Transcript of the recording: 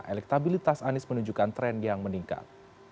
elektabilitas anies menunjukkan tren yang meningkat